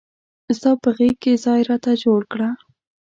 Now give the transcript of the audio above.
ستا په غیږ کې ځای راته جوړ کړه.